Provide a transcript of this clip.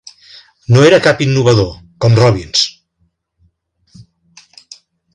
No era cap innovador, com Robbins.